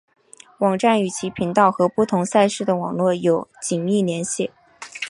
网站与其频道和不同赛事的网络有紧密联系。